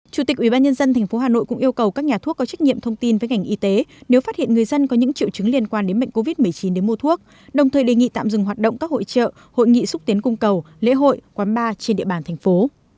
chủ tịch ubnd tp hà nội cũng yêu cầu các nhà thuốc có trách nhiệm thông tin với ngành y tế nếu phát hiện người dân có những triệu chứng liên quan đến bệnh covid một mươi chín để mua thuốc đồng thời đề nghị tạm dừng hoạt động các hội trợ hội nghị xúc tiến cung cầu lễ hội quán bar trên địa bàn thành phố